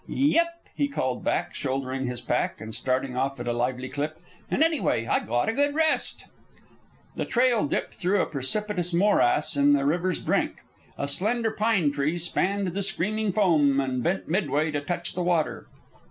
"Yep," he called back, shouldering his pack and starting off at a lively clip. "And, anyway, I got a good rest." The trail dipped through a precipitous morass to the river's brink. A slender pine tree spanned the screaming foam and bent midway to touch the water.